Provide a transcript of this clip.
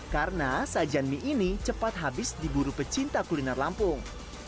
karena sajian mie ini cepat habis di buru pecinta kuliner lampung